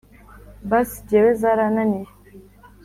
Bus njyewe zarananiye